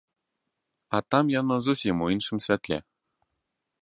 А там яно зусім у іншым святле.